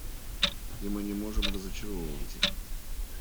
И мы не можем разочаровывать их.